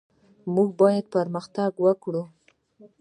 موږ هم باید پرمختګ وکړو.